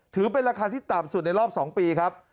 ถือเป็นราคาที่ต่ำสุดในรอบ๒ปีครับ